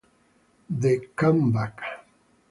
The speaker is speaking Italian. The Come-Back